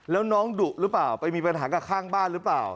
แล้วน้องดุหรือเปล่าไปมีปัญหากับข้างบ้านหรือเปล่า